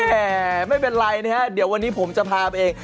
ไม่เป็นไรนะฮะเดี๋ยววันนี้ผมจะพาไปเอง